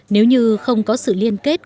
nếu như không có sự liên kết